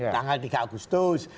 tanggal tiga agustus